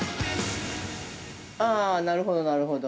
◆ああ、なるほど、なるほど。